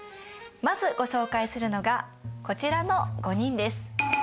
まずご紹介するのがこちらの５人です。